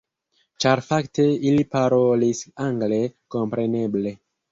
Ĉar fakte ili parolis angle, kompreneble.